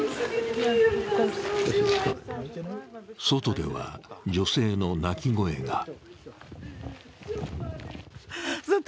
外では女性の泣き声が。